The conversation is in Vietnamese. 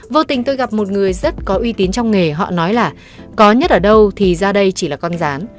vô tình tôi gặp một người rất có uy tín trong nghề họ nói là có nhất ở đâu thì ra đây chỉ là con rán